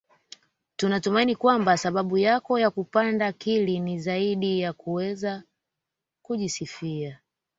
Tunatumaini kwamba sababu yako ya kupanda Kili ni zaidi ya kuweza kujisifia